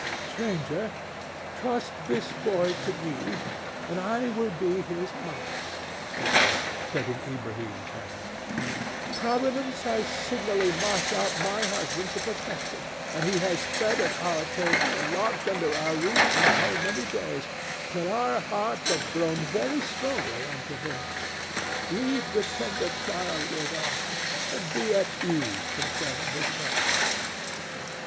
"Stranger, trust this boy to me, and I will be his mother," she said, taking Ilbrahim's hand. "Providence has signally marked out my husband to protect him, and he has fed at our table and lodged under our roof now many days, till our hearts have grown very strongly unto him. Leave the tender child with us, and be at ease concerning his welfare."